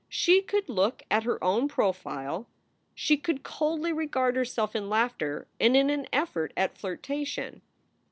She could look at her own profile. She could coldly regard herself in laughter and in an effort at flirtation.